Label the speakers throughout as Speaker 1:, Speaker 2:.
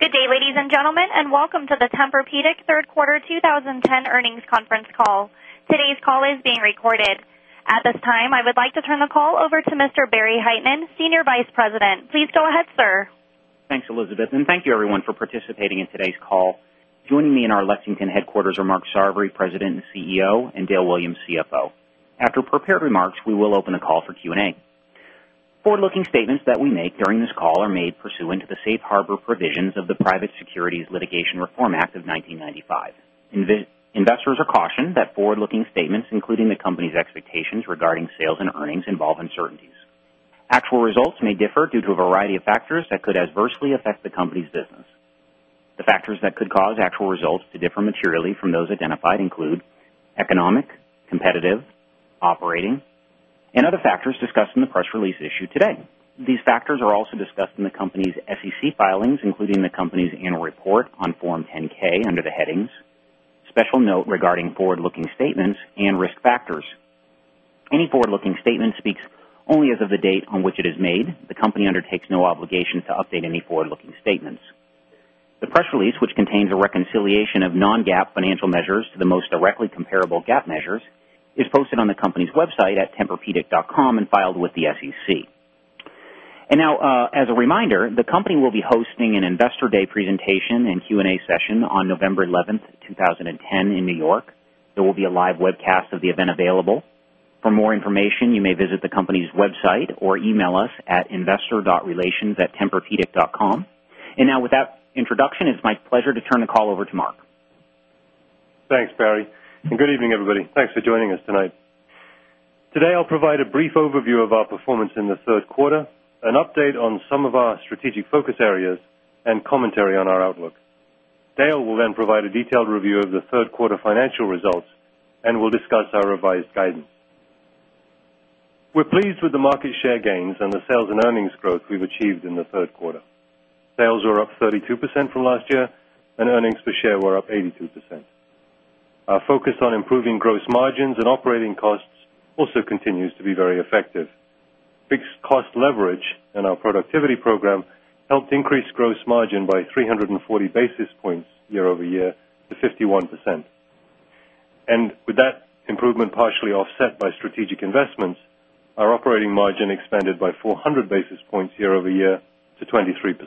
Speaker 1: Good day, ladies and gentlemen, and welcome to the Tempur Pedic Third Quarter 2010 Earnings Conference Call. Today's call is being recorded. At this time, I would like to turn the call over to Mr. Barry Hytinen, Senior Vice President. Please go ahead, sir.
Speaker 2: Thanks, Elizabeth, and thank you, everyone, for participating in today's call. Joining me in our Lexington headquarters are Mark Sarvary, President and CEO and Dale Williams, CFO. After prepared remarks, we will open the call for Q and A. Forward looking statements that we make during this call are made pursuant to the Safe Harbor provisions of the Private Securities Litigation Reform Act of 1995. Investors are cautioned that forward looking statements, including the company's expectations regarding sales and earnings, involve uncertainties. Actual results may differ due to a variety of factors that could adversely affect the company's business. The factors that could cause actual results to differ materially from those identified include economic, competitive, operating and other factors discussed in the press release issued today. These factors are also discussed in the company's SEC filings, including the company's annual report on Form 10 ks under the headings, special note regarding forward looking statements and risk factors. Any forward looking statement speaks only as of the date on which it is made. The company undertakes no obligation to update any forward looking statements. The press release, which contains a reconciliation of non GAAP financial measures to the most directly comparable GAAP measures, is posted on the company's website at tempurpedic.com and filed with the SEC. And now, as a reminder, the company will be hosting an Investor Day presentation and Q and A session on November 11, 2010 in New York. There will be a live webcast of the event available. For more information, you may visit the company's website or email us at investor. Relationstemperpedic.com. And now with that introduction, it's my pleasure to turn the call over to Mark.
Speaker 3: Thanks, Barry, and good evening, everybody. Thanks for joining us tonight. Today, I'll provide a brief overview of our performance in the Q3, an update on some of our strategic focus areas and commentary on our outlook. Dale will then provide a detailed review of the Q3 financial results and will discuss our revised guidance. We're pleased with the market share gains and the sales and earnings growth we've achieved in the Q3. Sales were up 32% from last year and earnings per share were up 82%. Our focus on improving gross margins and operating costs also continues to be very effective. Fixed cost leverage in our productivity program helped increase gross margin by 3.40 basis points year over year to 51%. And with that improvement partially offset by strategic investments, our operating margin expanded by 400 basis points year over year to 23%.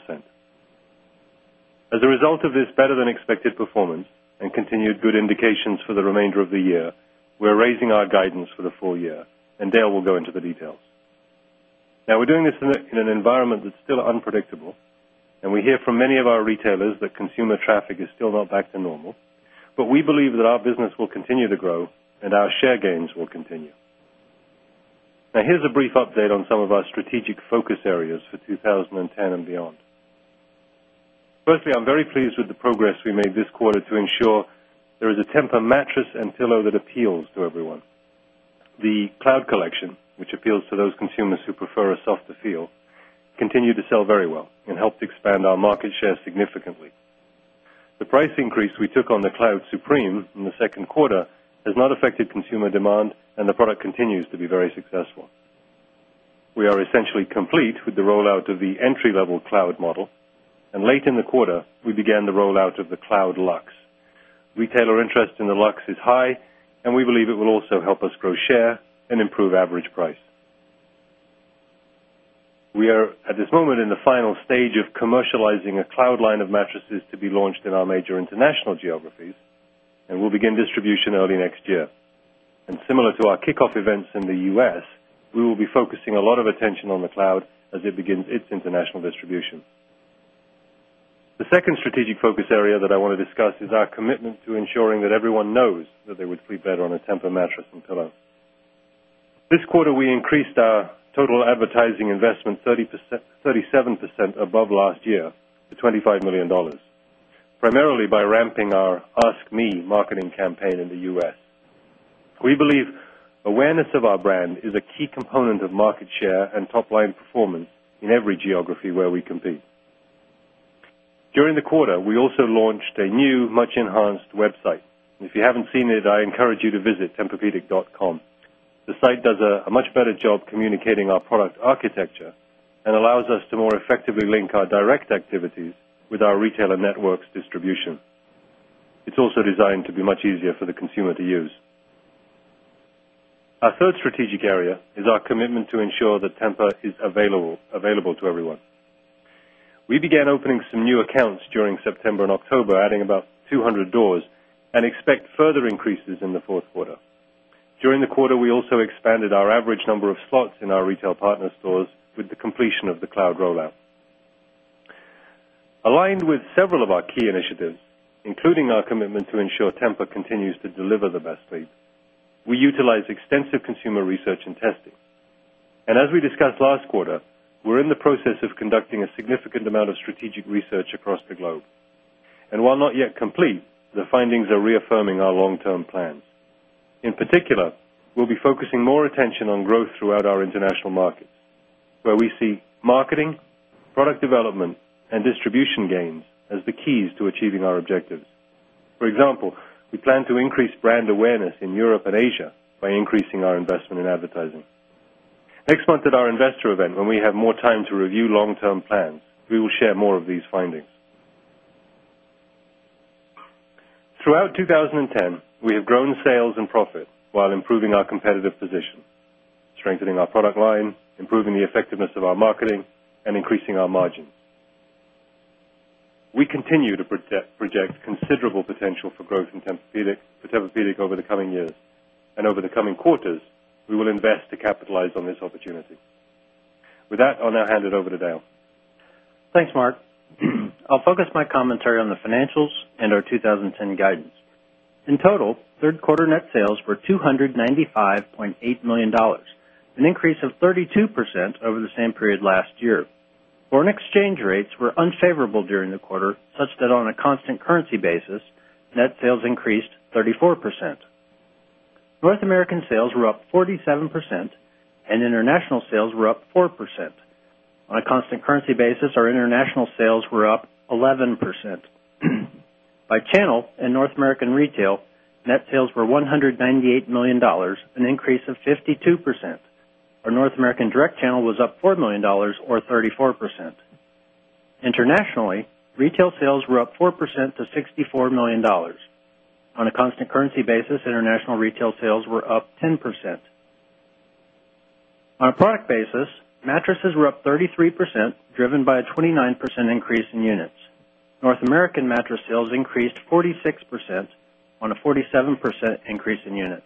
Speaker 3: As a result of this better than expected performance and continued good indications for the remainder of the year, we're raising our guidance for the full year and Dale will go into the details. Now we're doing this in an environment that's still unpredictable and we hear from many of our retailers that consumer traffic is still not back to normal, but we believe that our business will continue to grow and our share gains will continue. Now here's a brief update on some of our strategic focus areas for 2010 beyond. Firstly, I'm very pleased with the progress we made this quarter to ensure there is a Tempur mattress and pillow that appeals to everyone. The Cloud collection, which appeals to those consumers who prefer a softer feel, continued to sell very well and helped expand our market share significantly. The price increase we took on the Cloud Supreme in the Q2 has not affected consumer demand and the product continues to be very successful. We are essentially complete with the rollout of the entry level cloud model and late in the quarter, we began the rollout of the Cloud Luxe. Retailer interest in the Luxe is high and we believe it will also help us grow share and improve average price. We are at this moment in the final stage of commercializing a cloud line of mattresses to be launched in our major international geographies and will begin distribution early next year. And similar to our kickoff events in the U. S, we will be focusing a lot of attention on the cloud as it begins its international distribution. The second strategic focus area that I want to discuss is our commitment to ensuring that everyone knows that they would sleep better on a Tempur mattress and pillow. This quarter, we increased our total advertising investment 37% above last year to $25,000,000 primarily by ramping our Ask Me marketing campaign in the U. S. We believe awareness of our brand is a key component of market share and top line performance in every geography where we compete. During the quarter, we also launched a new much enhanced website. If you haven't seen it, I encourage you to visit tempurpedic.com. The site does a much better job communicating our product architecture and allows us to more effectively link our direct activities with our retailer networks distribution. It's also designed to be much easier for the consumer to use. Our 3rd strategic area is our commitment to ensure that Tampa is available to everyone. We began opening some new accounts during September October adding about 200 doors and expect further increases in the Q4. During the quarter, we also expanded our average number of slots in our retail partner stores with the completion of the cloud rollout. Aligned with several of our key initiatives, including our commitment to ensure Tempa continues to deliver the best sleep, we utilize extensive consumer research and testing. And as we discussed last quarter, we're in the process of conducting a significant amount of strategic research across the globe. And while not yet complete, the findings are reaffirming our long term plans. In particular, we'll be focusing more attention on growth throughout our international markets, where we see marketing, product development and distribution gains as the keys to achieving our objectives. For example, we plan to increase brand awareness in Europe and Asia by increasing our investment in advertising. Next month at our Investor event, when we have more time to review long term plans, we will share more of these findings. Throughout 2010, we have grown sales and profit, while improving our competitive position, strengthening our product line, improving the effectiveness of our marketing and increasing our margins. We continue to project considerable potential for growth in Tempur Pedic over the coming years. And over the coming quarters, we will invest to capitalize on this opportunity. With that, I'll now hand it over to Dale.
Speaker 4: Thanks, Mark. I'll focus my commentary on the financials and our 20 10 guidance. In total, 3rd quarter net sales were $295,800,000 an increase of 32% over the same period last year. Foreign exchange rates were unfavorable during the quarter such that on a constant currency basis, net sales increased 34%. North American sales were up 47% and international sales were up 4%. On a constant currency basis, our international sales were up 11%. By channel, in North American retail, net sales were $198,000,000 an increase of 52%. Our North American direct channel was up $4,000,000 or 34%. Internationally, retail sales were up 4% to $64,000,000 On a constant currency basis, international retail sales were up 10%. On a product basis, mattresses were up 33% driven by a 29% increase in units. North American mattress sales increased 46% on a 47% increase in units.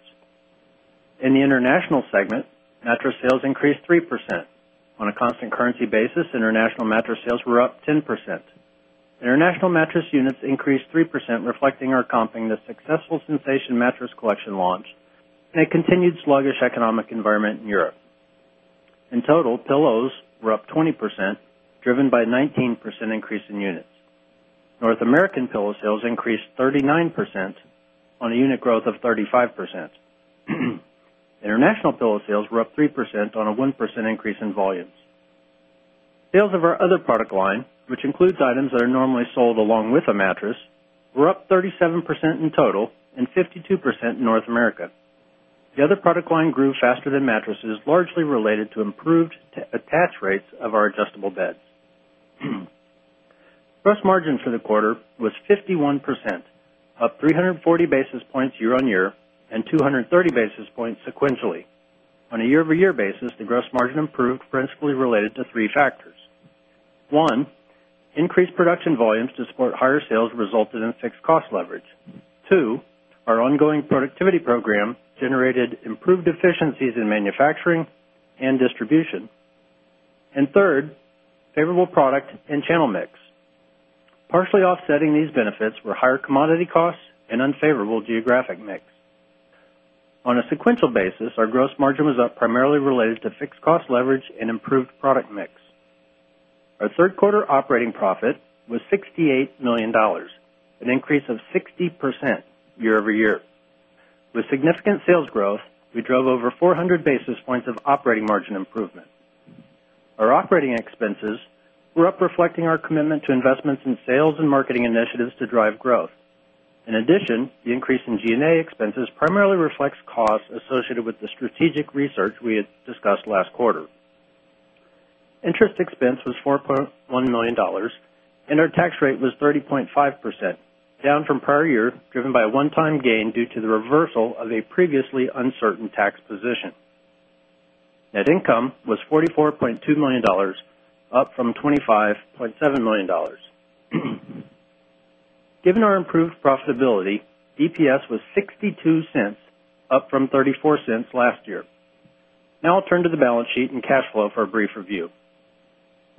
Speaker 4: In the international segment, mattress sales increased 3%. On a constant currency basis, international mattress sales were up 10%. International mattress units increased 3%, reflecting our comping the successful Sensation Mattress Collection launch and a continued sluggish economic environment in Europe. In total, pillows were up 20% driven by 19% increase in units. North American pillow sales increased 39% on a unit growth of 35%. International pillow sales were up 3% on a 1% increase in volumes. Sales of our other product line, which includes items that are normally sold along with a mattress, were up 37% in total and 52% in North America. The other product line grew faster than mattresses, largely related to improved attach rates of our adjustable beds. Gross margin for the quarter was 51%, up 3.40 basis points year on year and 2.30 basis points sequentially. On a year over year basis, the gross margin improved principally related to 3 factors. 1, increased production volumes to support higher sales resulted in fixed cost leverage 2, our ongoing productivity program generated improved efficiencies in manufacturing and distribution and third, favorable product and channel mix. Partially offsetting these benefits were higher commodity costs and unfavorable geographic mix. On a sequential basis, our gross margin was up primarily related to fixed cost leverage and improved product mix. Our 3rd quarter operating profit was $68,000,000 an increase of 60% year over year. With significant sales growth, we drove over 400 basis points of operating margin improvement. Our operating expenses were up reflecting our commitment to investments in sales and marketing initiatives to drive growth. In addition, the increase in G and A expenses primarily reflects costs associated with the strategic research we had discussed last quarter. Interest expense was $4,100,000 and our tax rate was 30.5 percent, down from prior year driven by a one time gain due to the reversal of a previously uncertain tax position. Net income was $44,200,000 up from $25,700,000 Given our improved profitability, EPS was $0.62 up from $0.34 last year. Now I'll turn to the balance sheet and cash flow for a brief review.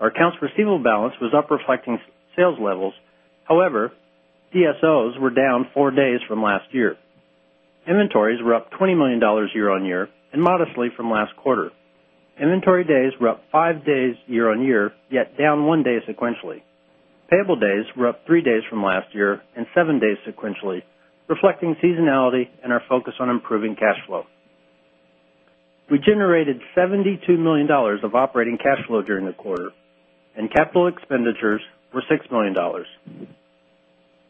Speaker 4: Our accounts receivable balance was up reflecting sales levels. However, DSOs were down 4 days from last year. Inventories were up $20,000,000 year on year and modestly from last quarter. Inventory days were up 5 days year on year, yet down one day sequentially. Payable days were up 3 days from last year and 7 days sequentially, reflecting seasonality and our focus on improving cash flow. We generated $72,000,000 of operating cash flow during the quarter and capital expenditures were $6,000,000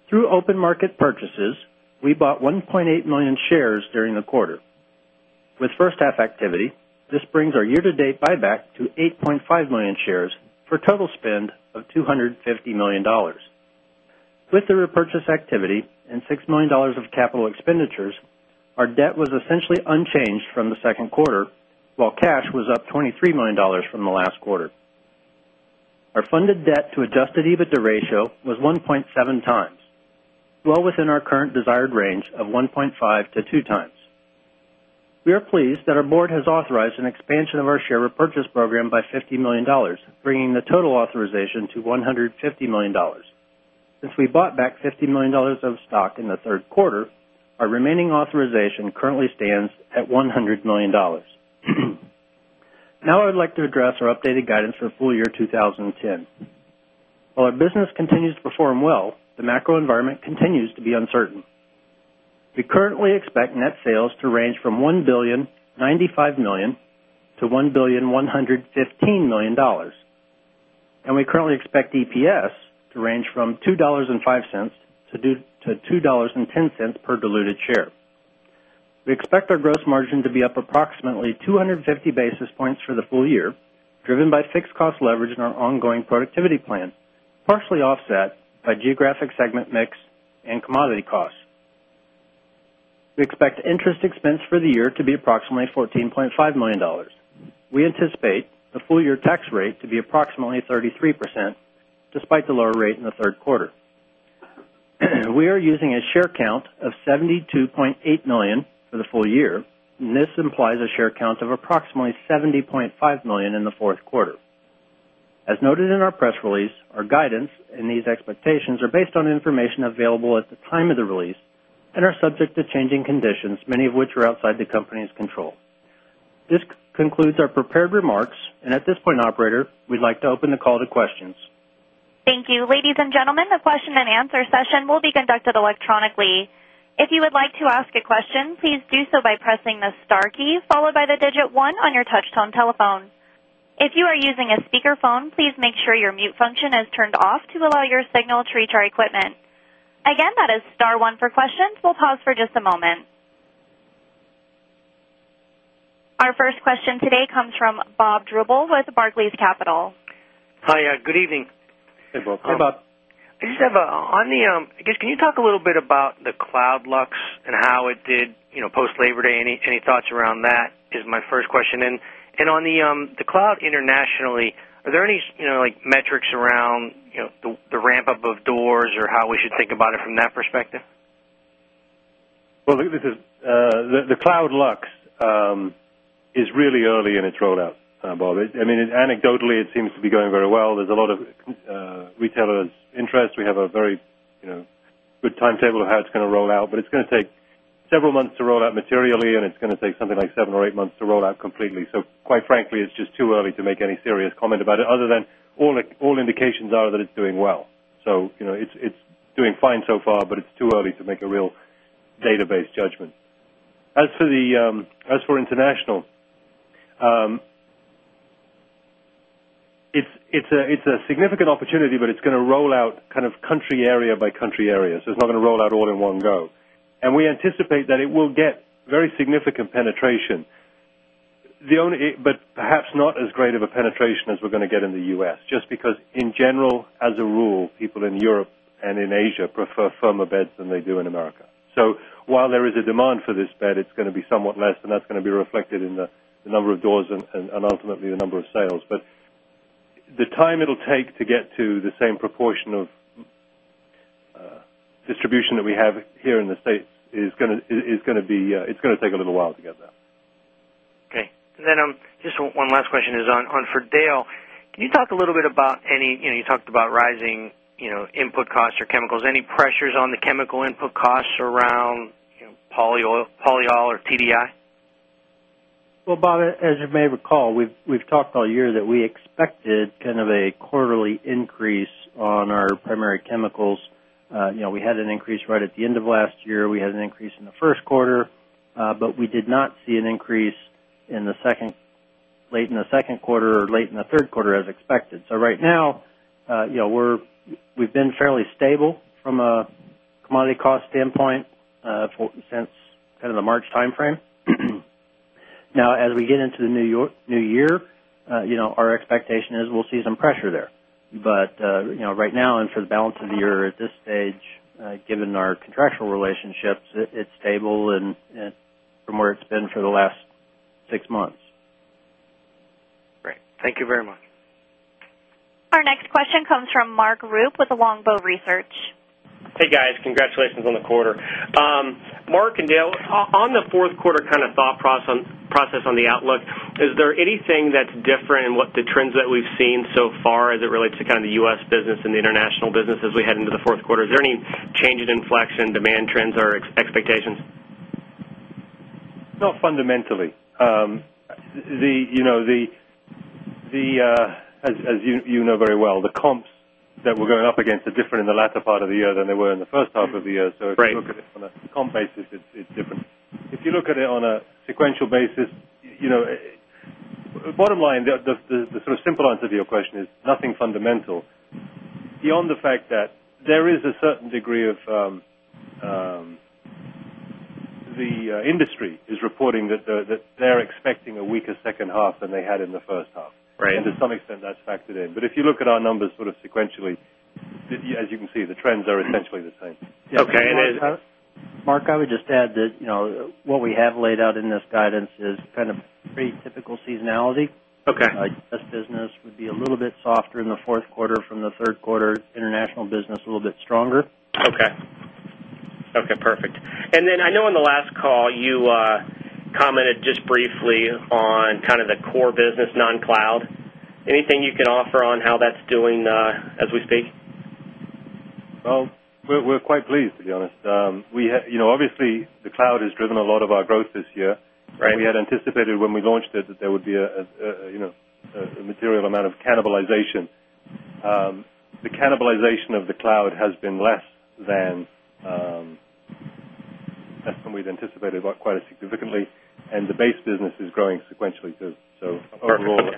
Speaker 4: Through open market purchases, we bought 1,800,000 shares during the quarter. With first half activity, this brings our year to date buyback to 8,500,000 shares for total spend of $250,000,000 With the repurchase activity and $6,000,000 of capital expenditures, our debt was essentially unchanged from the 2nd quarter, while cash was up $23,000,000 from the last quarter. Our funded debt to adjusted EBITDA ratio was 1.7 times, well within our current desired range of 1.5 to 2 times. We are pleased that our Board has authorized an expansion of our share repurchase program by $50,000,000 bringing the total authorization to $150,000,000 Since we bought back $50,000,000 of stock in the 3rd quarter, our remaining authorization currently stands at $100,000,000 Now I would like to address our updated guidance for full year 2010. While our business continues to perform well, the macro environment continues to be uncertain. We currently expect net sales to range from 1,095,000,000 dollars to $1,115,000,000 and we currently expect EPS to range from $2.05 to 2 point expect our gross margin to be up approximately 2 50 basis points for the full year, driven by fixed cost leverage in our ongoing productivity plan, partially offset by geographic segment mix and commodity costs. We expect interest expense for the year to be approximately $14,500,000 We anticipate the full year tax rate to be approximately 33% despite the lower rate in the Q3. We are using a share count of 72,800,000 for the full year and this implies a share count of approximately 70,500,000 in the 4th quarter. As noted in our press release, our guidance and these expectations are based on information available at the time of the release and are subject to changing conditions, many of which are outside the company's control. This concludes our prepared remarks. And at this point, operator, we'd like to open the call to questions.
Speaker 1: Thank you. Ladies and gentlemen, the question and answer session will be conducted electronically. Our first question today comes from Bob Drbul with Barclays Capital.
Speaker 5: Hi, good evening.
Speaker 3: Hi, Bob. Hi, Bob.
Speaker 6: I just
Speaker 7: have on the I guess, can you talk
Speaker 5: a little bit about the Cloudlux and how it did post Labor Day? Any thoughts around that is my first question. And on the cloud internationally, are there any like metrics around the ramp up of doors or how we should think about it from that perspective?
Speaker 3: Well, the cloud lux is really early in its rollout, Bob. I mean anecdotally, it seems to be going very well. There's a lot of retailers' interest. We have a very good timetable of how it's going to roll out, but it's going to take several months to roll out materially and it's going to take something like 7 or 8 months to roll out completely. So quite frankly, it's just too early to make any serious comment about it other than all indications are that it's doing well. So it's doing fine so far, but it's too early to make a real database judgment. As for the as for international, it's a significant opportunity, but it's going to roll out kind of country area by country area. So it's not going to roll out all in one go. And we anticipate that it will get very significant penetration. The only but perhaps not as great of a penetration as we're going to get in the U. S. Just because in general, as a rule, people in Europe and in Asia prefer firmer beds than they do in America. So while there is a demand for this bed, it's going to be somewhat less and that's going to be reflected in the number of doors and ultimately the number of sales. But the time it will take to get to the same proportion of distribution that we have here in the States is going to be it's going to take a little while to get there.
Speaker 5: Okay. And then just one last question is on for Dale. Can you talk a little bit about any you talked about rising input costs or chemicals. Any pressures on the chemical input costs around polyol or TDI?
Speaker 4: Well, Bob, as you may recall, we've talked all year that we expected kind of a quarterly increase on our primary chemicals. We had an increase right at the end of last year. We had an increase in the Q1, but we did not see an increase in the second late in Q2 or late in Q3 as expected. So right now, we've been fairly stable from a commodity cost standpoint since the March time frame. Now as we get into the New Year, our expectation is we'll see some pressure there. But right now and for the balance of the year at this stage, given our contractual relationships, it's stable from where it's been for the last 6 months.
Speaker 5: Great. Thank you very much.
Speaker 1: Our next question comes from Mark Roop with Longbow Research.
Speaker 5: Hey, guys. Congratulations on the quarter. Mark and Dale, on the Q4 kind of thought process on the outlook, is there anything that's different in what the trends that we've seen so far as it relates to kind of the U. S. Business and the international business as we head into the Q4? Is there any change in inflection, demand trends or expectations?
Speaker 3: Not fundamentally. The as you know very well, the comps that we're going up against are different in the latter part of the year than they were in the first half of the year. So if you look at it on a comp basis, it's different. If you look at it on a sequential basis, bottom line, the sort of simple answer to your question is nothing fundamental. Beyond the fact that there is a certain degree of the industry is reporting that they're expecting a weaker second half than they had in the first half.
Speaker 5: And
Speaker 3: to some extent that's factored in. But if you look at our numbers sort of sequentially, as you can see, the trends are essentially the same.
Speaker 4: Mark, I would just add that what we have laid out in this guidance is kind of pretty typical seasonality. Our U. S. Business would be a little bit softer in the Q4 from the Q3, international business a little bit stronger.
Speaker 5: Okay. Okay, perfect. And then I know in the last call, you commented just briefly on kind of the core business non cloud. Anything you can offer on how that's doing as we speak?
Speaker 3: Well, We're quite pleased to be honest. Obviously, the cloud has driven a lot of our growth this year. We had anticipated when we launched it that there would be a material amount of cannibalization. The cannibalization of the cloud has been less than that's when we'd anticipated quite significantly and the base business is growing sequentially. So overall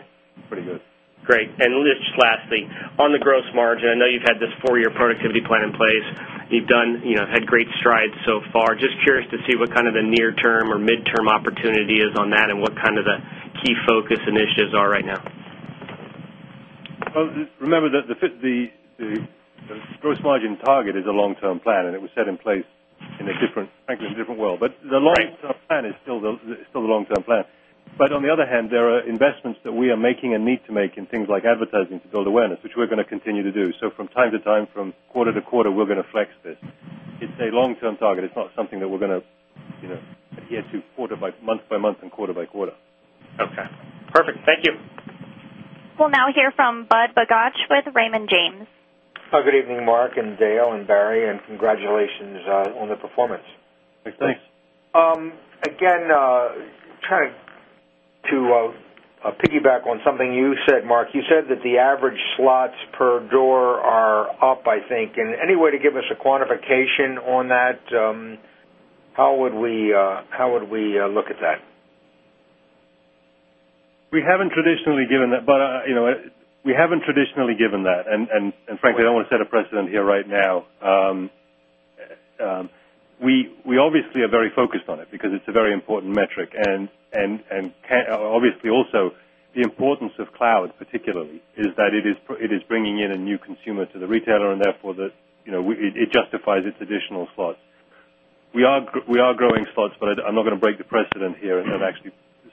Speaker 3: pretty good.
Speaker 5: Great. And just lastly, on the gross margin, I know you've had this 4 year productivity plan in place. You've done had great strides so far. Just curious to see what kind of the near term or mid term opportunity is on that and what kind of the key focus initiatives are right now?
Speaker 3: Remember that the gross margin target is a long term plan and it was set in place in a different frankly in a different world. But the long term plan is still the long term plan. But on the other hand, there are investments that we are making and need to make in things like advertising to build awareness, which we're going to continue to do. So from time to time, from quarter to quarter, we're going to flex this. It's a long term target. It's not something that we're going to get to quarter by month by month and
Speaker 5: quarter by quarter. Okay. Perfect. Thank you.
Speaker 1: We'll now hear from Budd Bugatch with Raymond
Speaker 8: James. Good evening, Mark and Dale and Barry and congratulations on the performance. Thanks. Again, trying to piggyback on something you said Mark. You said that the average slots per door are up I think. And any way to give us a quantification on that?
Speaker 4: How would we look at that?
Speaker 3: We haven't traditionally given that. But we haven't traditionally given that. And frankly, I don't want to set a precedent here right now. We obviously are very focused on it, because it's a very important metric. And obviously also the importance of cloud particularly is that it is bringing in a new consumer to the retailer and therefore it justifies its additional slots. We are growing slots, but I'm not going to break the precedent here and then actually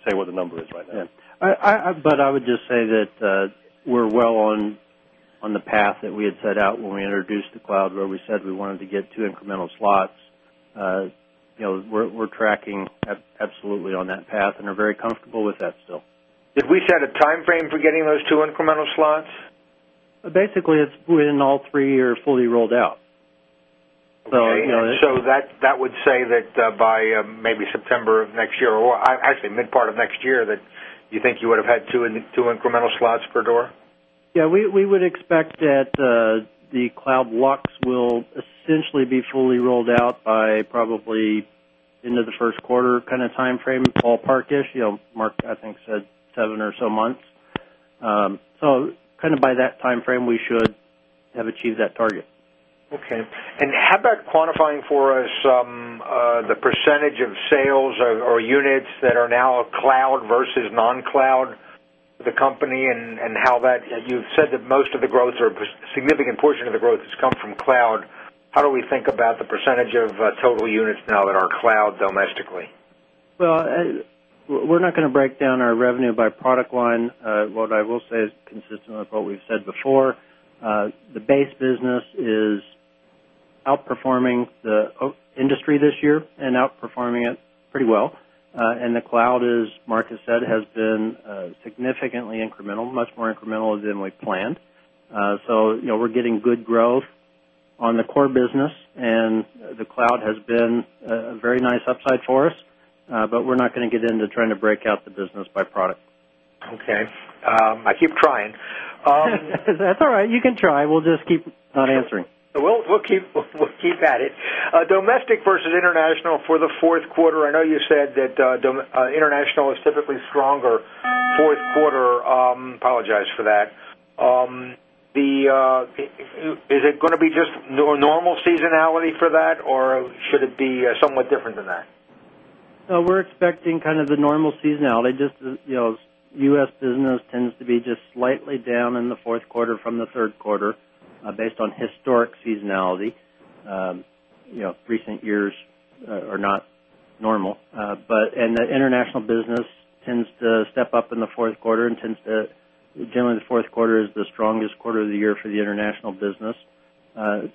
Speaker 3: say what the number
Speaker 4: is right now. But I would just say that we're well on the path that we had set out when we introduced the cloud where we said we wanted to get 2 incremental slots. We're tracking absolutely on that path and are very comfortable with that still.
Speaker 8: Did we set a time frame for getting those 2 incremental slots?
Speaker 4: Basically, it's when all 3 are fully rolled out. Okay.
Speaker 8: So that would say that by maybe September of next year or actually mid part of next year that you think you would have had 2 incremental slots per door?
Speaker 4: Yes. We would expect that the Cloud Luxe will essentially be fully rolled out by probably end of the Q1 kind of timeframe, ballpark ish. Mark, I think, said 7 or so months. So kind of by that timeframe, we should have achieved that target.
Speaker 8: Okay. And how about quantifying for us the percentage of sales or units that are now cloud versus non cloud of the company and how that you've said that most of the growth or significant portion of the growth has come from cloud. How do we think about the percentage of total units now that are cloud domestically?
Speaker 4: Well, we're not going to break down our revenue by product line. What I will say is consistent with what we've said before. The base business is outperforming the industry this year and outperforming it pretty well. And the cloud, as Mark has said, has been significantly incremental, much more incremental than we planned. So we're getting good growth on the core business and the cloud has been a very nice upside for us, but we're not going to get into trying to break out the business by product.
Speaker 8: Okay. I keep trying.
Speaker 4: That's all right. You can try. We'll just keep on answering.
Speaker 8: We'll keep at it. Domestic versus international for the Q4, I know you said that international is typically stronger 4th quarter, apologize for that.
Speaker 6: The is it going to
Speaker 8: be just normal seasonality for that? Or should it be somewhat different than that?
Speaker 4: We're expecting kind of the normal seasonality. Just U. S. Business tends to be just slightly down in the 4th quarter from the 3rd quarter based on historic seasonality. Recent years are not normal. But and the international business tends to step up in the 4th quarter and tends to generally the 4th quarter is the strongest quarter of the year for the international business.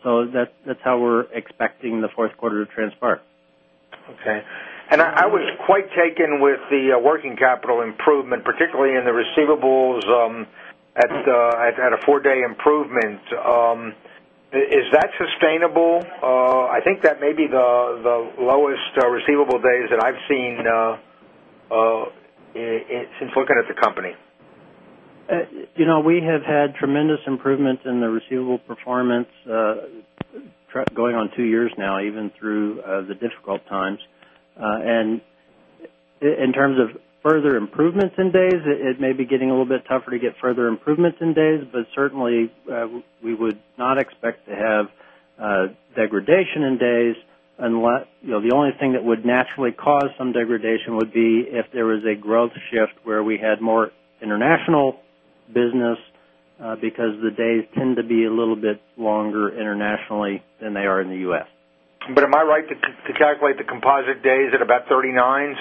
Speaker 4: So that's how we're expecting the Q4 to transpire.
Speaker 8: Okay. And I was quite taken with the working capital improvement particularly in the receivables at a 4 day improvement. Is that sustainable? I think that maybe the lowest receivable days that I've seen since looking at the company.
Speaker 4: We have had tremendous improvement in the receivable performance going on 2 years now even through the difficult times. And in terms of further improvements in days, it may be getting a little bit tougher to get further improvements in days. But certainly, we would not expect to have degradation in days. The only thing that would naturally cause some degradation would be if there was a growth shift where we had more international business because the days tend to be a little bit longer internationally than they are in the U. S.
Speaker 8: But am I right to calculate the composite days at about 39s?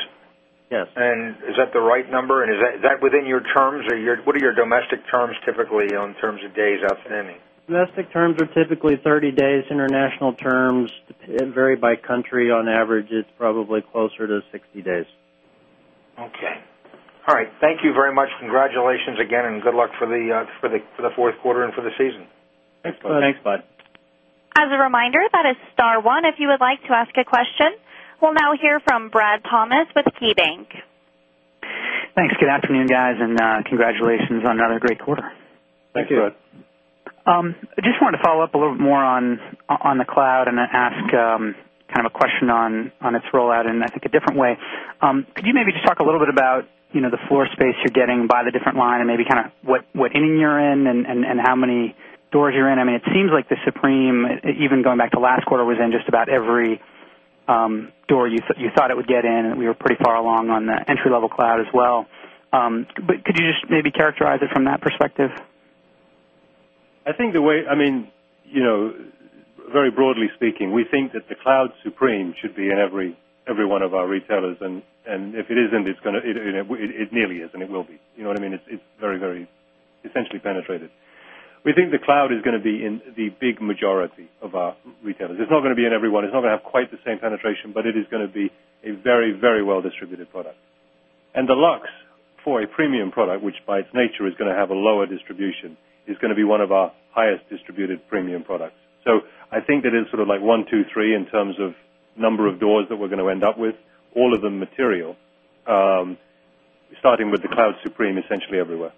Speaker 8: Yes. And is that the right number? And is that within your terms? What are your domestic terms typically in terms of days outstanding?
Speaker 4: Domestic terms are typically 30 days international terms and vary by country on average, it's probably closer to 60 days.
Speaker 5: Okay.
Speaker 8: All right. Thank you very much. Congratulations again and good luck for the Q4 and
Speaker 3: for the season. Thanks, Budd. Thanks, Budd.
Speaker 1: We'll now hear from Brad Thomas with KeyBanc.
Speaker 6: Thanks. Good afternoon, guys, and congratulations on another great quarter.
Speaker 3: Thank you, Ed.
Speaker 6: I just wanted to follow-up a little bit more on the cloud and then ask kind of a question on its rollout in, I think, a different way. Could you maybe just talk a little bit about the floor space you're getting by the different line and maybe what inning you're in and how many doors you're in? I mean, it seems like the Supreme, even going back to last quarter, was in just about every door you thought it would get in and we were pretty far along on the entry level cloud as well. But could you just maybe characterize it from that perspective?
Speaker 3: I think the way I mean, very broadly speaking, we think that the cloud supreme should be in every one of our retailers. And if it isn't, it's going to it nearly is and it will be. What I mean? It's very, very essentially penetrated. We think the cloud is going to be in the big majority of our retailers. It's not going to be in everyone. It's not going to have quite the same penetration, but it is going to be a very, very well distributed product. And Deluxe for a premium product, which by its nature is going to have a lower distribution, is going to be one of our highest distributed premium products. So I think that it's sort of like 1, 2, 3 in terms of number of doors that we're going to end up with, all of them material, starting with the Cloud Supreme essentially everywhere.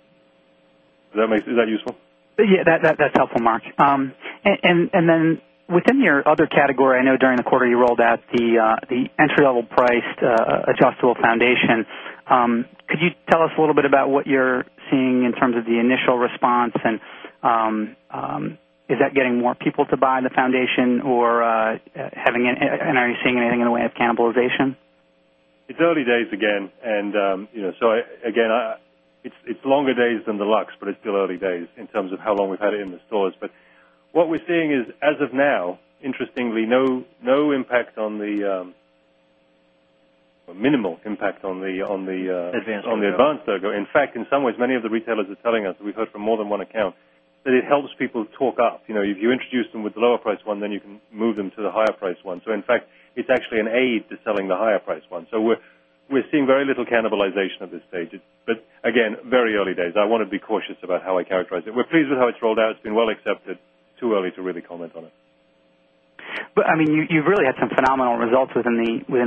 Speaker 3: Does that make is that useful?
Speaker 6: Yes. That's helpful, Mark. And then within your other category, I know during the quarter you rolled out the entry level priced adjustable foundation. Could you tell us a little bit about what you're seeing in terms of the initial response? And is that getting more people to buy the foundation or having and are you seeing anything in the way of cannibalization?
Speaker 3: It's early days again. And so again, it's longer days than Deluxe, but it's still early days in terms of how long we've had it in the stores. But what we're seeing is, as of now, interestingly, no impact on the minimal impact on the advanced logo. In fact, in some ways, many of the retailers are telling us, we've heard from more than one account, that it helps people talk up. If you introduce them with the lower priced one, then you can move them to the higher priced one. So in fact, it's actually an aid to selling the higher priced one. So we're seeing very little cannibalization at this stage. But again, very early days. I want to be cautious about how I characterize it. We're pleased with how it's rolled out. It's been well accepted. Too early to really comment on it.
Speaker 6: But I mean, you've really had some phenomenal results within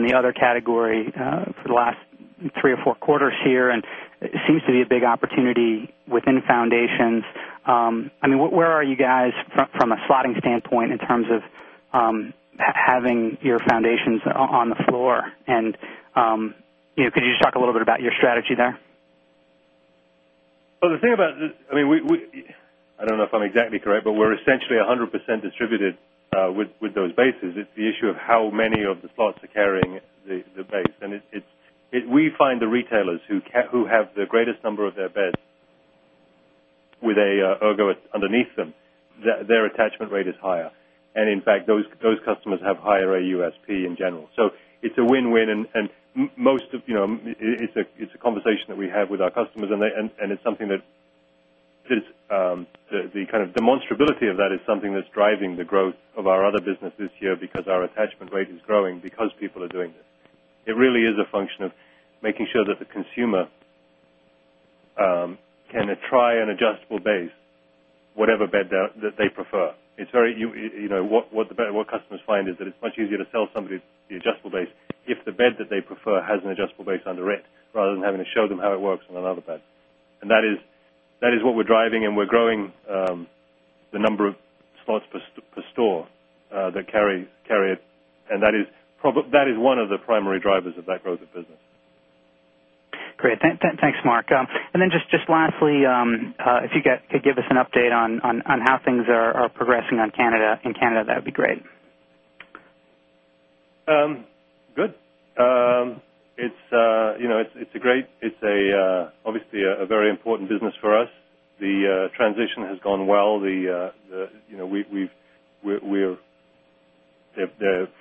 Speaker 6: the other category for the last 3 or 4 quarters here and it seems to be a big opportunity within foundations. I mean, where are you guys from a slotting standpoint in terms of having your foundations on the floor? And could you just talk a little bit about your strategy there?
Speaker 3: Well, the thing about I mean, I don't know if I'm exactly correct, but we're essentially 100% distributed with those bases. It's the issue of how many of the slots are carrying the base. And we find the retailers who have the greatest number of their beds with a Ergo underneath them, their attachment rate is higher. And in fact, those customers have higher AUSP in general. So it's a win win and most of it's a conversation that we have with our customers and it's something that is the kind of demonstrability of that is something that's driving the growth of our other business this year because our attachment rate is growing because people are doing it. It really is a function of making sure that the consumer can try an adjustable base whatever bed that they prefer. It's very what customers find is that it's much easier to sell somebody the adjustable base if the bed that they prefer has an adjustable base under it rather than having to show them how it works on another bed. And that is what we're driving and we're growing the number of spots per store that carry it and that is one of the primary drivers of that growth of business.
Speaker 6: Great. Thanks, Mark. And then just lastly, if you could give us an update on how things are progressing on Canada in Canada that would be great.
Speaker 3: Good. It's a great it's obviously a very important business for us. The transition has gone well. We are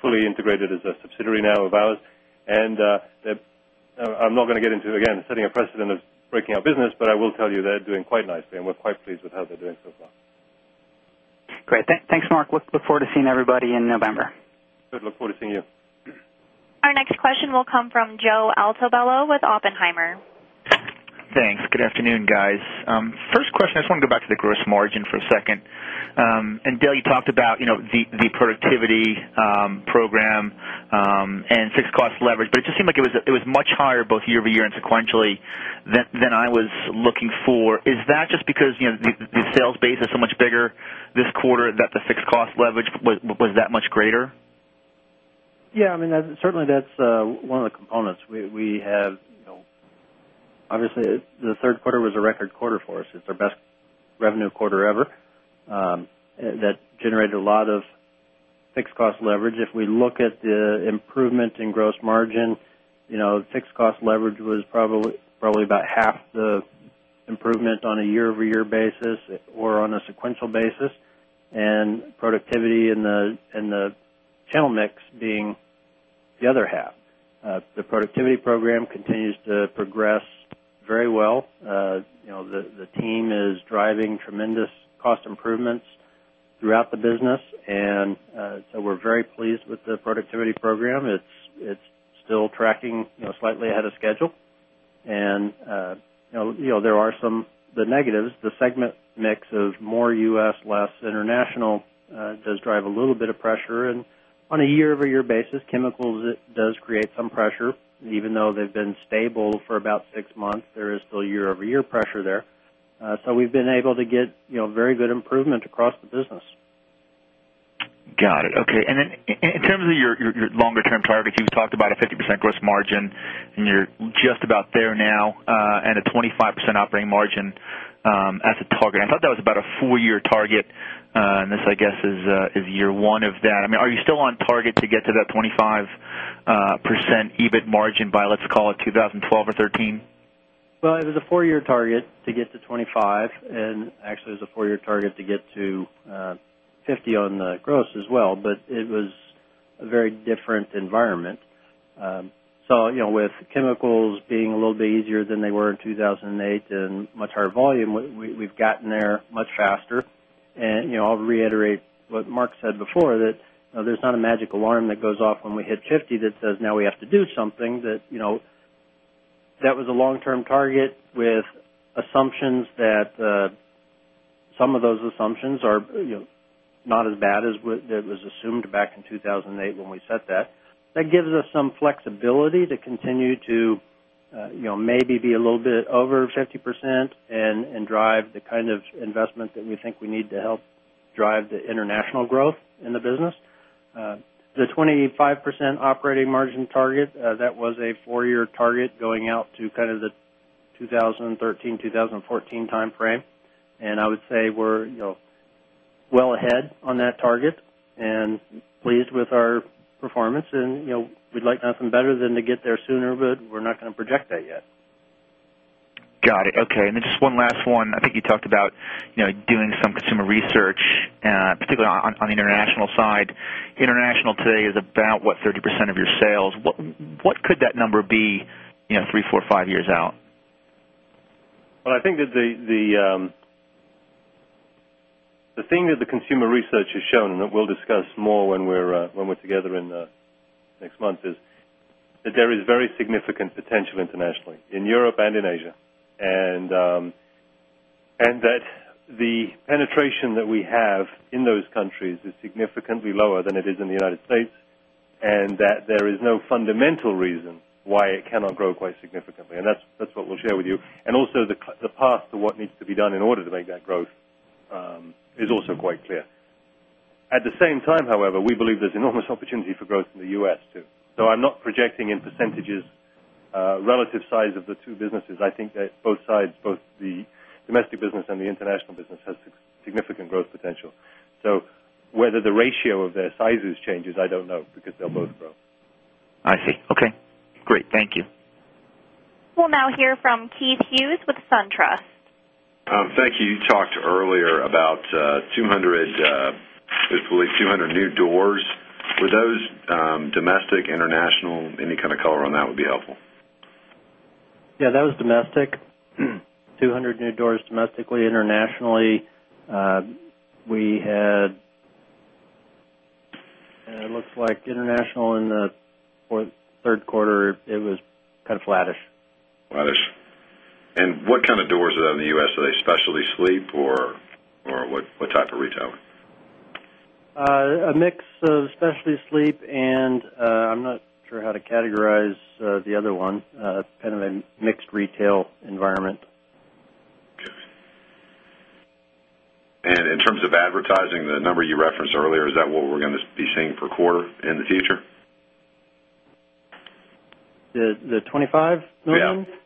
Speaker 3: fully integrated as a subsidiary now of ours. And I'm not going to get into again setting a precedent of breaking our business, but I will tell you they're doing quite nicely and we're quite pleased with how they're doing so far.
Speaker 6: Great. Thanks, Mark. We look forward to seeing everybody in November.
Speaker 3: Good. Look forward to seeing you.
Speaker 1: Our next question will come from Joe Altobello with Oppenheimer.
Speaker 9: Thanks. Good afternoon, guys. First question, I just want to go back to the gross margin for a second. And Dale, you talked about the productivity program and fixed cost leverage, but it just seemed like it was much higher both year over year and sequentially than I was looking for. Is that just because the sales base is so much bigger this quarter that the fixed cost leverage was that much greater?
Speaker 4: Yes. I mean, certainly that's one of the components. We have obviously, the Q3 was a record quarter for us. It's our best revenue quarter ever that generated a lot of fixed cost leverage. If we look at the improvement in gross margin, fixed cost leverage was probably about half the improvement on a year over year basis or on a sequential basis. And productivity in the channel mix being the other half. The productivity program continues to progress very well. The team is driving tremendous cost improvements throughout the business. And so we're very pleased with the productivity program. It's still tracking slightly ahead of schedule. And there are some the negatives. The segment mix of more U. S. Less international does drive a little bit of pressure. And on a year over year basis, chemicals does create some pressure. And even though they've been stable for about 6 months, there is still year over year pressure there. So we've been able to get very good improvement across the business.
Speaker 9: Got it. Okay. And then in terms of your longer term target, you've talked about a 50% gross margin and you're just about there now and a 25% operating margin as a target. I thought that was about a full year target and this I guess is year 1 of that. I mean are you still on target to get to that 25 percent EBIT margin by let's call it 2012 or 2013?
Speaker 4: Well, it was a 4 year target to get to 25% and actually it was a 4 year target to get to 50% on the gross as well, but it was a very different environment. So with chemicals being a little bit easier than they were in 2,008 and much higher volume, we've gotten there much faster. And I'll reiterate what Mark said before that there's not a magic alarm that goes off when we hit 50% that says now we have to do something that that was a long term target with assumptions that some of those assumptions are not as bad as what was assumed back in 2,008 when we said that. That gives us some flexibility to continue to maybe be a little bit over 50% and drive the kind of investment that we think we need to help drive the international growth in the business. The 25% operating margin target that was a 4 year target going out to kind of the 2013 2014 timeframe. And I would say we're well ahead on that target and pleased with our performance. And we'd like nothing better than to get there sooner, but we're not going to project that yet.
Speaker 9: Got it. Okay. And then just one last one. I think you talked about doing some consumer research, particularly on the international side. International today is about what 30% of your sales. What could that number be 3, 4, 5 years out?
Speaker 3: Well, I think that the thing that the consumer research has shown and that we'll discuss more when we're together in the next month is that there is very significant potential internationally in Europe and in Asia. And that the penetration that we have in those countries is significantly lower than it is in the United States and that there is no fundamental reason why it cannot grow quite significantly. And that's what we'll share with you. And also the path to what needs to be done in order to make that growth is also quite clear. At the same time, however, we believe there's enormous opportunity for growth in the U. S. Too. So I'm not projecting in percentages relative size of the two businesses. I think that both sides, both the domestic business and the international business has significant growth potential. So whether the ratio of their sizes changes, I don't know because they'll both grow.
Speaker 9: I see. Okay. Great. Thank you.
Speaker 1: We'll now hear from Keith Hughes with SunTrust.
Speaker 10: Thank you. You talked earlier about 200 I believe 200 new doors. Were those domestic, international? Any kind of color on that would be helpful.
Speaker 4: Yes, that was domestic. 200 new doors domestically. Internationally,
Speaker 11: we had
Speaker 4: it looks like international in the Q3, it was kind of flattish.
Speaker 10: Flattish. And what kind of doors are there in the U. S? Are they specialty sleep or what type of retail?
Speaker 4: A mix of specialty sleep and I'm not sure how to categorize the other one, kind of a mixed retail environment.
Speaker 10: Okay. And in terms of advertising, the number you referenced earlier, is that what we're going to be seeing per quarter in the future?
Speaker 4: The $25,000,000 Yes.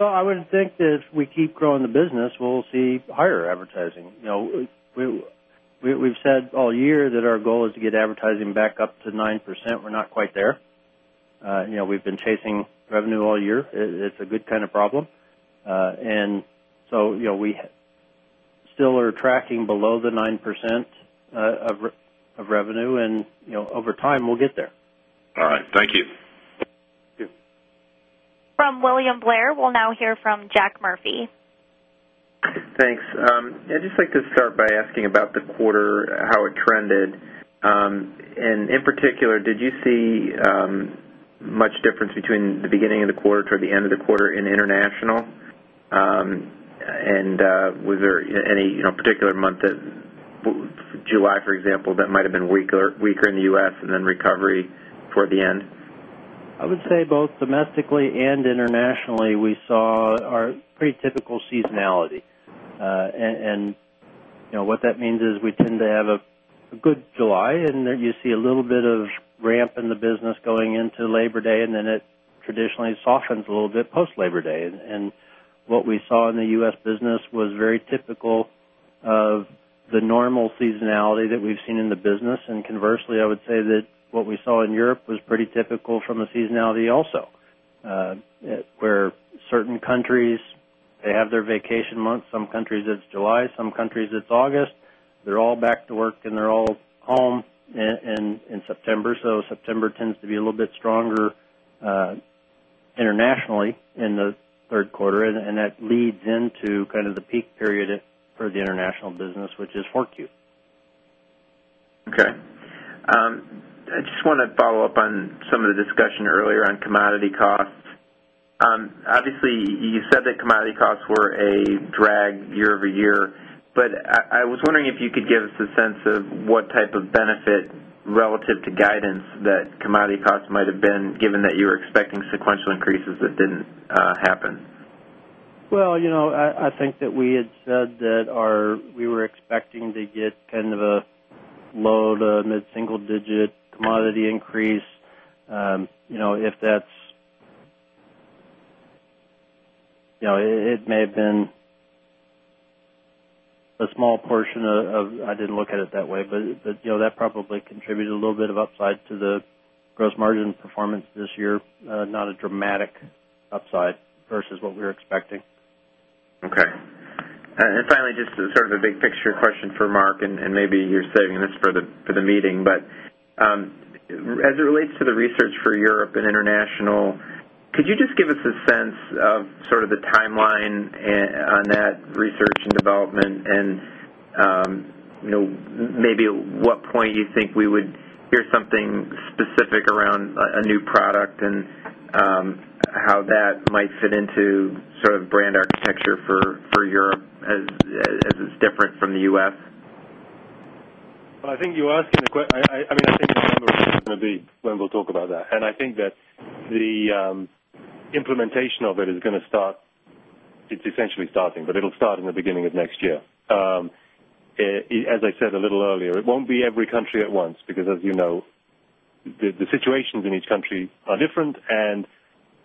Speaker 4: So I wouldn't think that if we keep growing the business, we'll see higher advertising. We've said all year that our goal is to get advertising back up to 9%. We're not quite there. We've been chasing revenue all year. It's a good kind of problem. And so we still are tracking below the 9% of revenue and over time we'll get there.
Speaker 3: All right. Thank
Speaker 1: you. From William Blair, we'll now hear from Jack Murphy.
Speaker 12: Thanks. I'd just like to start by asking about the quarter, how it trended. And in particular, did you see much difference between the beginning of the quarter toward the end of the quarter in international? And was there any particular month July, for example, that might have been weaker in the U. S. And then recovery toward the end?
Speaker 4: I would say both domestically and internationally, we saw our pretty typical seasonality. And what that means is we tend to have a good July and then you see a little bit of ramp in the business going into Labor Day and then it traditionally softens a little bit post Labor Day. And what we saw in the U. S. Business was very typical of the normal seasonality that we've seen in the business. And conversely, I would say that what we saw in Europe was pretty typical from the seasonality also, where certain countries they have their vacation month, some countries it's July, some countries it's August, they're all back to work and they're all home in September. So September tends to be a little bit stronger internationally in the Q3 and that leads into kind of the peak period for the international business, which is 4Q.
Speaker 12: Okay. I just want to follow-up on some of the discussion earlier on commodity costs. Obviously, you said that commodity costs were a drag year over year, but I was wondering if you could give us a sense of what type of benefit relative to guidance that commodity costs might have been given that you were expecting sequential increases that didn't happen?
Speaker 4: Well, I think that we had said that our we were expecting to get kind of a low to mid single digit commodity increase. If that's it may have been a small portion of I didn't look at it that way, but that probably contributed a little bit of upside to the gross margin performance this year, not a dramatic upside versus what we were expecting. Okay. And finally, just sort of
Speaker 12: a big picture question for Mark and maybe you're saving this for the meeting. But as it relates to the research for Europe and International, could you just give us a sense of sort of the timeline on that research and development? And maybe at what point you think we would hear something specific around a new product? And how that might fit into sort of brand architecture for Europe as it's different from the U. S?
Speaker 3: I think you're asking a question I mean, I think that's where it's going to be when we'll talk about that. And I think that the implementation of it is going to start it's essentially starting, but it'll start in the beginning of next year. As I said a little earlier, it won't be every country at once because as you know, the situations in each country are different and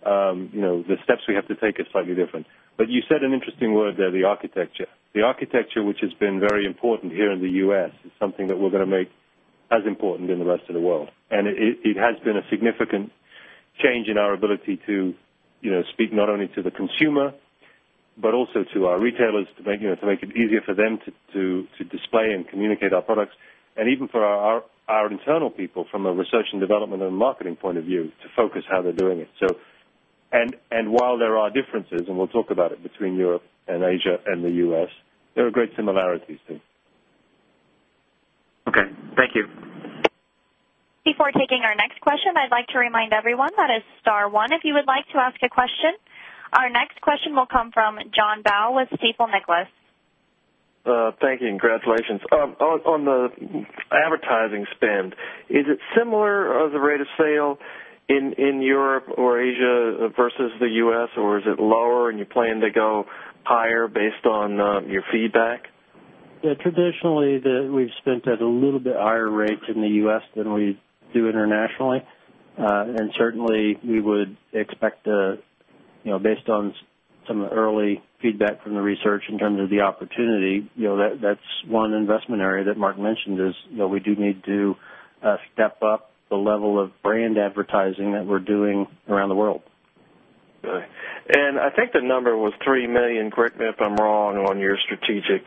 Speaker 3: the steps we have to take are slightly different. But you said an interesting word there, the architecture. The architecture, which has been very important here in the U. S, is something that we're going to make as important in the rest of the world. And it has been a significant change in our ability to speak not only to the consumer, but also to our retailers to make it easier for them to display and communicate our products and even for our internal people from a research and development and marketing point of view to focus how they're doing it. So and while there are differences and we'll talk about it between Europe and Asia and the U. S, there are great similarities too. Okay. Thank you.
Speaker 1: Our next question will come from John Bau with Stifel Nicolaus.
Speaker 11: Thank you. Congratulations. On the advertising spend, is it similar as a rate of sale in Europe or Asia versus the U. S? Or is it lower and you plan to go higher based on your feedback?
Speaker 4: Yes. Traditionally, we've spent at a little bit higher rates in the U. S. Than we do internationally. And certainly, we would expect based on some early feedback from the research in terms of the opportunity, that's one investment area that Mark mentioned is we do need to step up the level of brand advertising that we're doing around the world.
Speaker 11: Okay. And I think the number was $3,000,000 correct me if I'm wrong on your strategic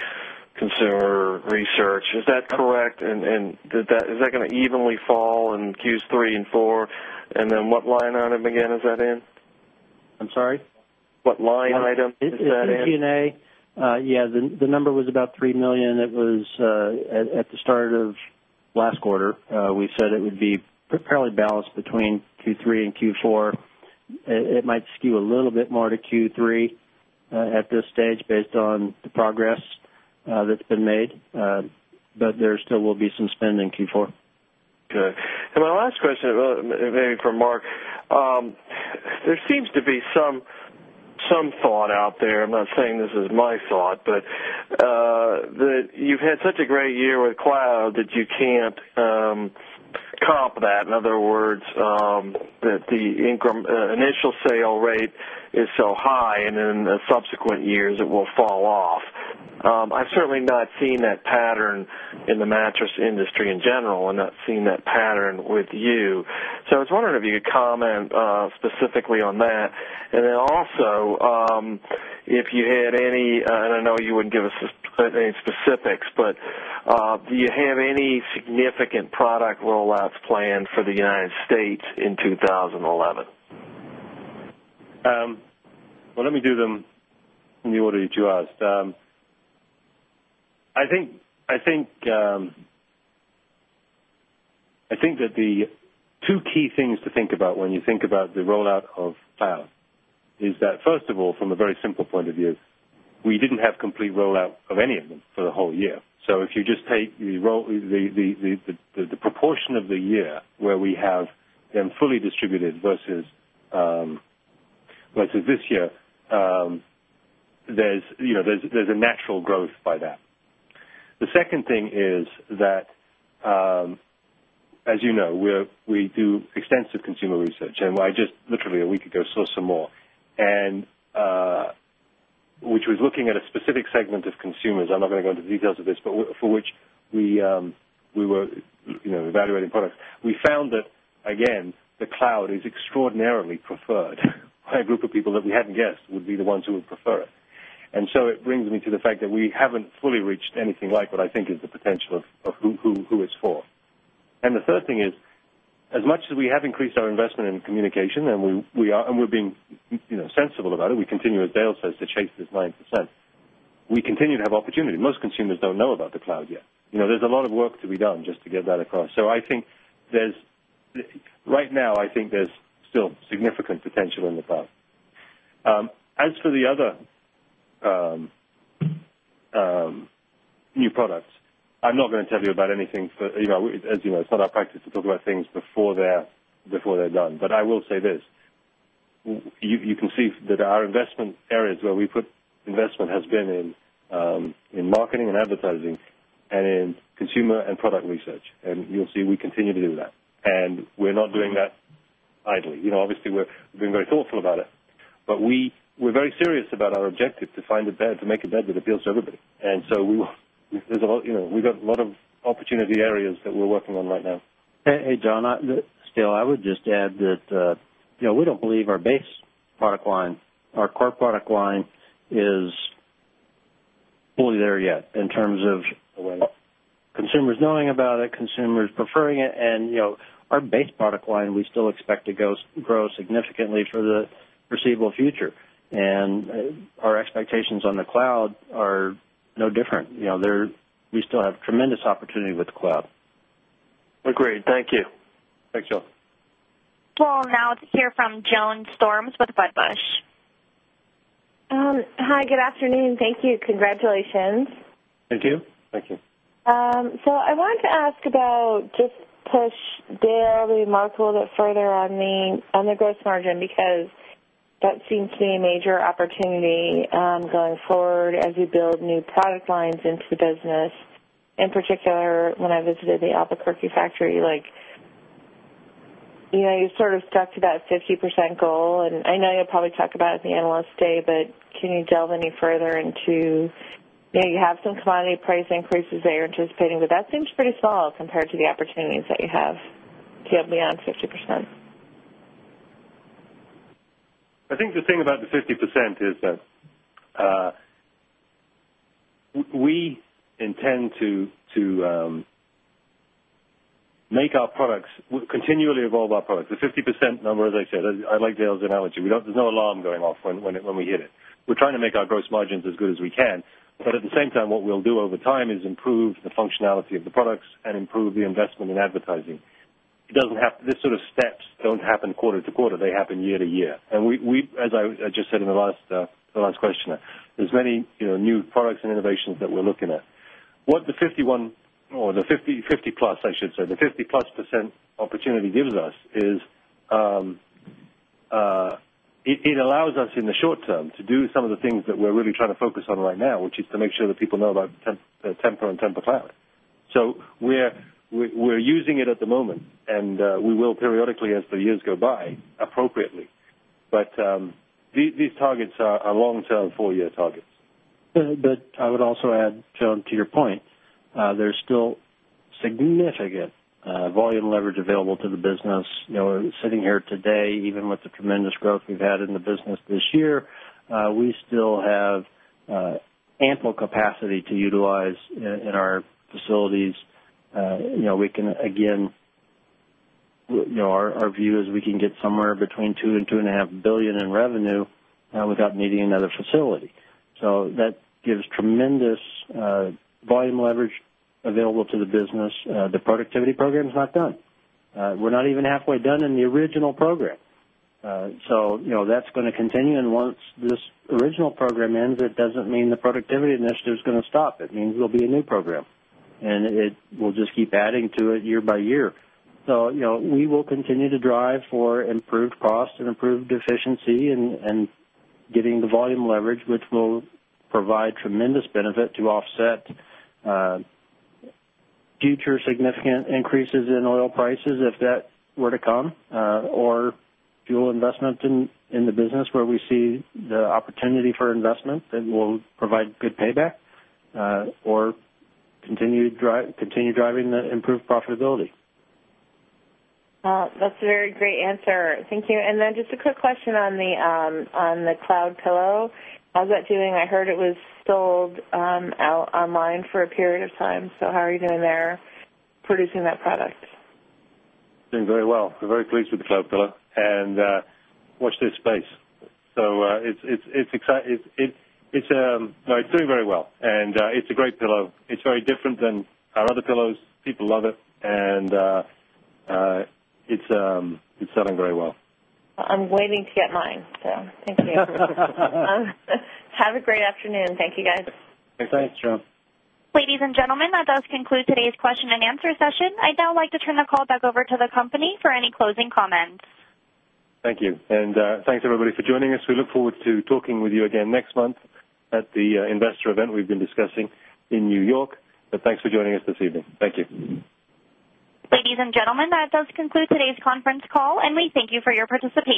Speaker 11: consumer research. Is that correct? And is that going to evenly fall in Q3 and Q4? And then what line item again is that in?
Speaker 4: I'm sorry?
Speaker 3: What line item is that in? In Q
Speaker 4: and A, yes, the number was about $3,000,000 It was at the start of last quarter. We said it would be fairly balanced between Q3 and Q4. It might skew a little bit more to Q3 at this stage based on the progress that's been made, but there still will be some spend in Q4.
Speaker 11: Okay. And my last question maybe for Mark. There seems to be some thought out there. I'm not saying this is my thought, but you've had such a great year with cloud that you can't comp that. In other words, that the initial sale rate is so high and in subsequent years it will fall off. I've certainly not seen that pattern in the mattress industry in general and not seen that pattern with you. So I was wondering if you could comment specifically on that. And then also, if you had any and I know you wouldn't give us any specifics, but do you have any significant product rollouts planned for the United States in 2011?
Speaker 3: Well, let me do them in the order that you asked. I think that the two key things to think about when you think about the rollout of cloud is that, 1st of all, from a very simple point of view, we didn't have complete rollout of any of them for the whole year. So if you just take the proportion of the year where we have them fully distributed versus this year, there's a natural growth by that. The second thing is that, as you know, we do extensive consumer research and I just literally a week ago saw some more and which was looking at a specific segment of consumers. I'm not going to go into details of this, but for which we were evaluating products. We found that again the cloud is extraordinarily preferred by a group of people that we hadn't guessed would be the ones who would prefer
Speaker 4: it. And so it brings me to
Speaker 3: the fact that we haven't fully reached anything like what I think is the potential of who it's for. And the third thing is, as much as we have increased our investment in communication and we are and we're being sensible about it, we continue as Dale says to chase this 9%. We continue to have opportunity. Most consumers don't know about the cloud yet. There's a lot of work to be done just to get that across. So I think there's right now I think there's still significant potential in the cloud. As for the other new products, I'm not going to tell you about anything as you know, it's not our practice to talk about things before they're done. But I will say this, you can see that our investment areas where we put investment has been in marketing and advertising and in consumer and product research. And you'll see we continue to do that. And we're not doing that idly. Obviously, we're being very thoughtful about it. But we're very serious about our objective to find a bed to make a bed that appeals to everybody. And so we've got
Speaker 4: a lot of opportunity areas that we're working on right now. Hey, John, still I would just add that we don't believe our base product line, our core product line is fully there yet in terms of consumers knowing about it, consumers preferring it. And our base product line, we still expect to grow significantly for the foreseeable future. And our expectations on the cloud are no different. We still have tremendous opportunity with the cloud. Great. Thank you. Thanks, Joan.
Speaker 1: We'll now hear from Joan Storms with Wedbush.
Speaker 7: Hi, good afternoon. Thank you. Congratulations.
Speaker 3: Thank you. Thank you.
Speaker 7: So I wanted to ask about just push Daryl to remark a little bit further on the gross margin because that seems to be a major opportunity going forward as you build new product lines into the business, in particular when I visited the Albuquerque factory like you sort of stuck to that 50% goal and I know you'll probably talk about it at the Analyst Day, but can you delve any further into you have some commodity price increases that you're anticipating, but that seems pretty small compared to the opportunities that you have beyond 50%.
Speaker 3: I think the thing about the 50% is that we intend to make our products continually evolve our products. The 50% number, as I said, I like Dale's analogy. There's no alarm going off when we hit it. We're trying to make our gross margins as good as we can. But at the same time, what we'll do over time is improve the functionality of the products and improve the investment in advertising. It doesn't have this sort of steps don't happen quarter to quarter. They happen year to year. And we as I just said in last question, there's many new products and innovations that we're looking at. What the 51 percent or the 50% plus I should say, the 50% plus opportunity gives us is it allows us in the short term to do some of the things that we're really trying to focus on right now, which is to make sure that people know about Tempur and Tempur Cloud. So we're using it at the moment and we will periodically as the years go by appropriately. But these targets are long term 4 year targets.
Speaker 4: But I would also add, John, to your point, there's still significant volume leverage available to the business. Sitting here today, even with the tremendous growth we've had in the business this year, we still have ample capacity to utilize in our facilities. We can again our view is we can get somewhere between $2,000,000,000 $2,500,000,000 in revenue without needing another facility. So that gives tremendous volume leverage available to the business. The productivity program is not done. We're not even halfway done in the original program. So that's going to continue. And once this original program ends, it doesn't mean the productivity initiative is going
Speaker 3: to stop. It means it will
Speaker 4: be a new program. And it will just keep adding to it year by year. So we will continue to drive for improved cost and improved efficiency and getting the volume leverage, which will provide tremendous benefit to offset future significant increases in oil prices if that were to come or fuel investment in the business where we see the opportunity for investment that will provide good payback or continue driving the improved profitability.
Speaker 7: That's a very great answer. Thank you. And then just a quick question on the Cloud pillow. How's that doing? I heard it was sold online for a period of time. So how are you doing there producing that product?
Speaker 3: Doing very well. We're very pleased with the Cloud pillow and watch this space. So it's exciting. It's doing very well and it's a great pillow. It's very different than our other pillows. People love it and it's selling very well.
Speaker 7: I'm waiting to get mine.
Speaker 6: So thank you.
Speaker 7: Have a great afternoon. Thank you guys.
Speaker 3: Thanks, John.
Speaker 1: Ladies and gentlemen, that does conclude today's question and answer session. I'd now like to turn the call back over to the company for any closing comments.
Speaker 3: Thank you. And thanks everybody for joining us. We look forward to talking with you again next month at the investor event we've been discussing in New York. But thanks for joining us this evening. Thank you.
Speaker 1: Ladies and gentlemen, that does conclude today's conference call and we thank you for your participation.